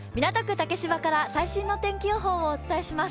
竹芝から最新の天気予報をお伝えします。